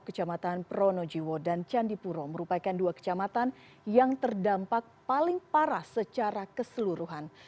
kecamatan pronojiwo dan candipuro merupakan dua kecamatan yang terdampak paling parah secara keseluruhan